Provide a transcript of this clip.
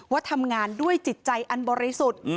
ว่าทำงานด้วยจิตใจอันบริสุทธิ์